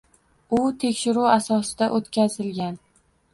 U tekshiruv asosida oʻtkazilgan